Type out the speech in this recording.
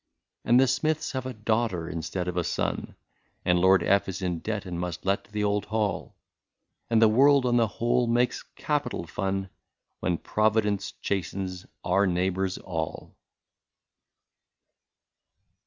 And the Smiths have a daughter instead of a son. And Lord F. is in debt and must let the old hall ; And the world on the whole makes capital fun. When Providence chastens our neighbours all